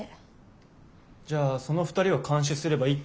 じゃあその２人を監視すればいいってことか。